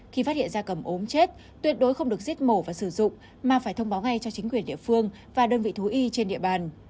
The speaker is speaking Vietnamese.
khi phát hiện da cầm ốm chết tuyệt đối không được giết mổ và sử dụng mà phải thông báo ngay cho chính quyền địa phương và đơn vị thú y trên địa bàn